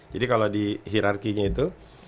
jadi kalau di hirarkinya itu